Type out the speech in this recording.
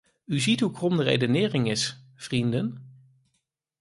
U ziet hoe krom de redenering is, vrienden.